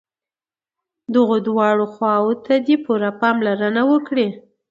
دغو دواړو خواوو ته دې پوره پاملرنه وکړي.